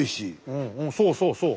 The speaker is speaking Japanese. うんうんそうそうそう。